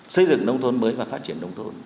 xây dựng nông thôn mới và phát triển nông thôn